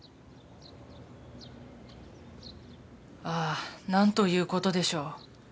ああなんということでしょう。